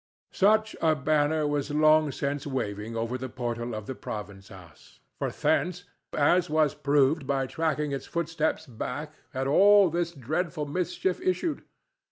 Such a banner was long since waving over the portal of the province house, for thence, as was proved by tracking its footsteps back, had all this dreadful mischief issued.